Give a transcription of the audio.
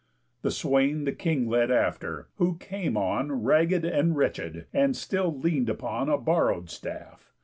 The swain the King led after, who came on Raggéd and wretched, and still lean'd upon A borrow'd staff.